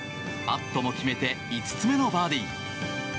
パットも決めて５つ目のバーディー。